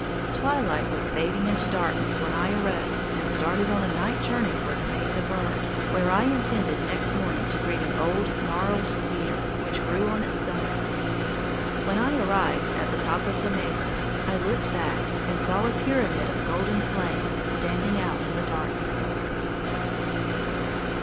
Twilight was fading into darkness when I arose and started on a night journey for the Mesa Verde, where I intended next morning to greet an old gnarled cedar which grew on its summit. When I arrived at the top of the Mesa, I looked back and saw a pyramid of golden flame standing out in the darkness.